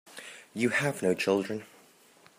You have no children.